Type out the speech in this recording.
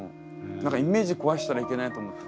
何かイメージ壊したらいけないと思って。